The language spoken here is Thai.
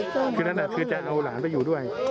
คือนั้นคือจะเอาหลานไปอยู่ด้วย